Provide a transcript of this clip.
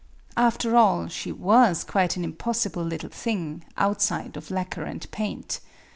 After all, she was quite an impossible little thing, outside of lacquer and paint.